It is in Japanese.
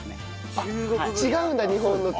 あっ違うんだ日本のと。